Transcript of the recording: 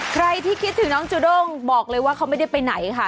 ใครที่คิดถึงน้องจูด้งบอกเลยว่าเขาไม่ได้ไปไหนค่ะ